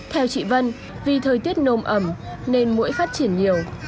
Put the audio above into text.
theo chị vân vì thời tiết nồm ẩm nên mũi phát triển nhiều